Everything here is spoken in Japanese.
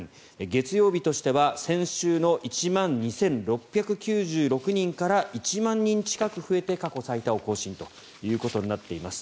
月曜日としては先週の１万２６９６人から１万人近く増えて過去最多を更新となっています。